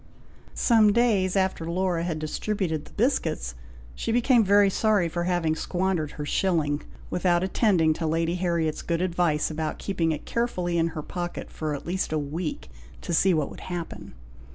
'" Some days after Laura had distributed the biscuits, she became very sorry for having squandered her shilling, without attending to Lady Harriet's good advice, about keeping it carefully in her pocket for at least a week, to see what would happen.